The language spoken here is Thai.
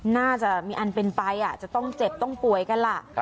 น่าจะมีอันเป็นไปจะต้องเจ็บต้องป่วยกันล่ะ